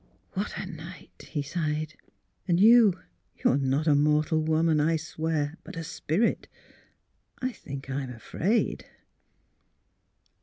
What a night," he sighed. '' And you — yon are not a mortal woman, I swear — but a spirit. I think I am — afraid."